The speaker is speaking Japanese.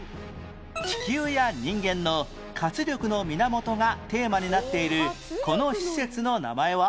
地球や人間の活力の源がテーマになっているこの施設の名前は？